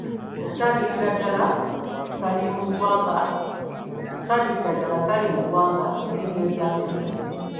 Okutandikira ddala, saali mu ggwanga nali ngenze mu Amerika.